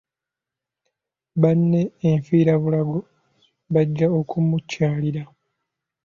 Banne enfiirabulago, bajja okumukyalira.